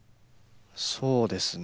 そうですね。